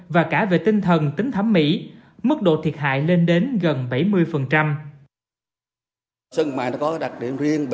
và cả về tinh thần tính thẩm mỹ mức độ thiệt hại lên đến gần bảy mươi